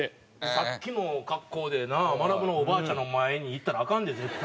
さっきの格好でなまなぶのおばあちゃんの前に行ったらアカンで絶対。